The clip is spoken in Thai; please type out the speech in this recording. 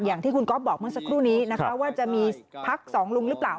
อย่างที่คุณก๊อฟบอกเมื่อสักครู่นี้นะคะว่าจะมีพักสองลุงหรือเปล่า